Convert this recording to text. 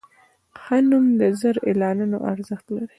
ښه نوم د زر اعلانونو ارزښت لري.